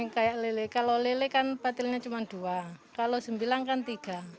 kayak lele kalau lele kan batilnya cuma dua kalau sembilan kan tiga